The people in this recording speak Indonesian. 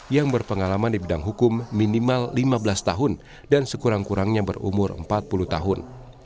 yang berpengalaman di bidang hukum minimal lima belas tahun dan sekurang kurangnya berumur empat puluh tahun